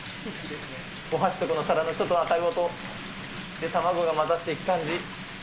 お箸と皿のこの当たる音、で、卵が混ざっていく感じ。